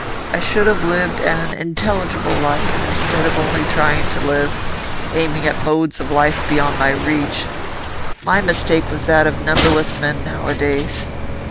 I should have lived an intelligible life, instead of only trying to live, aiming at modes of life beyond my reach. My mistake was that of numberless men nowadays.